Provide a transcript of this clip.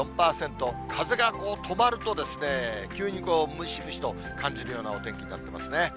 風が止まると、急にこう、ムシムシと感じるようなお天気になってますね。